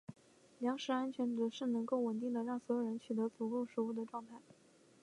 粮食安全指的是能够稳定地让所有人取得足够食物的状态。